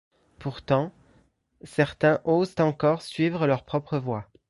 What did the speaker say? Pourtant, certains osent encore suivre leur propre voie.